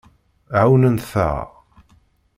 Ɛawnent-aɣ.